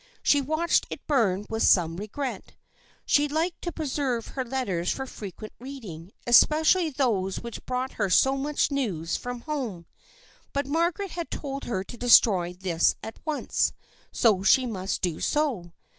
She watched it burn with some regret. She liked to preserve her letters for frequent reading, es pecially those which brought her so much news from home, but Margaret had told her to destroy this at once, so she must do so.